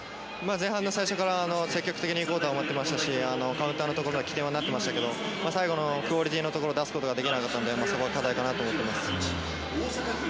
前半最初から積極的に行こうと思っていましたしカウンターの起点になっていましたけど最後のクオリティーのところで出すことができなかったのでそこが課題かと思っています。